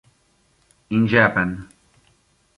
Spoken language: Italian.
In Japan